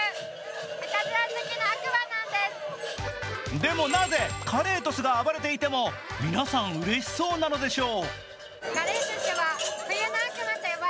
でも、なぜカレートスが暴れていても皆さんうれしそうなのでしょう。